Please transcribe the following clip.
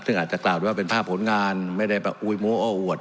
ซึ่งอาจจะกล่าวได้ว่าเป็นภาพผลงานไม่ได้แบบอุ๊ยโม้ออวด